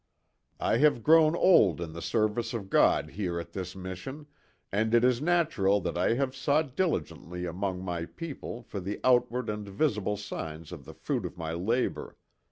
"I have grown old in the service of God here at this mission, and it is natural that I have sought diligently among my people for the outward and visible signs of the fruit of my labor.